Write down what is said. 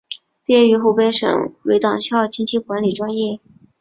毕业于湖北省委党校经济管理专业。